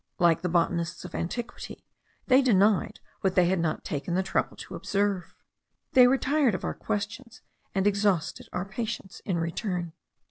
Like the botanists of antiquity, they denied what they had not taken the trouble to observe. They were tired with our questions, and exhausted our patience in return.